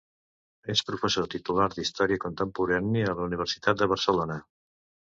És professor titular d'història contemporània a la Universitat de Barcelona.